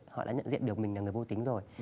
họ đã nhận diện được mình là người vô tính rồi